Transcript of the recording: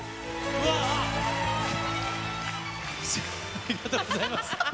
ありがとうございます。